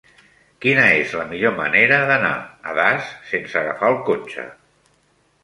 Quina és la millor manera d'anar a Das sense agafar el cotxe?